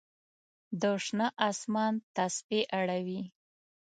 د شنه آسمان تسپې اړوي